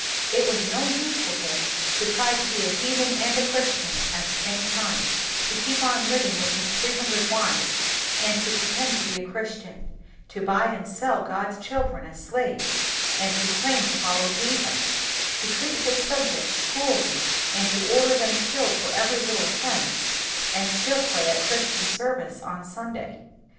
It was no use for him to try to be a heathen and a Christian at the same time, to keep on living with his three hundred wives and to pretend to be a Christian; to buy and sell God's children as slaves, and to claim to follow Jesus; to treat his subjects cruelly and to order them killed for every little of fense, and still to pray at Christian service on Sunday.